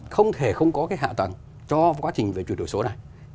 không thể không có cái hạ tầng cho quá trình chuyển đổi số này